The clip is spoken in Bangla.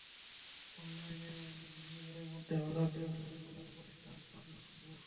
অনলাইনে এরই মধ্যে অর্ডার নেওয়া শুরু করেছে প্রকাশনা প্রতিষ্ঠান পাফিন বুকস।